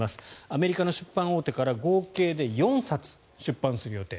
アメリカの出版大手から合計で４冊出版する予定。